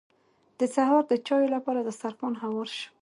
د سهار د چايو لپاره دسترخوان هوار شو.